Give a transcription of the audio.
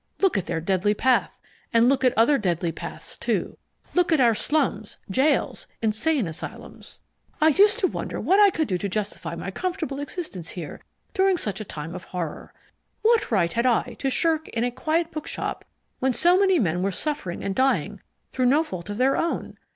Look at their deadly path! And look at other deadly paths, too. Look at our slums, jails, insane asylums. ... "I used to wonder what I could do to justify my comfortable existence here during such a time of horror. What right had I to shirk in a quiet bookshop when so many men were suffering and dying through no fault of their own?